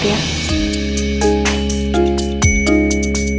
kebetulan masa iya gue juga udah gini